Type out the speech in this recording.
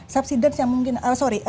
subsidence yang mungkin sorry